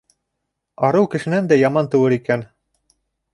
Арыу кешенән дә яман тыуыр икән.